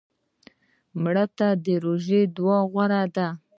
مړه ته د روژې دعا غوره ده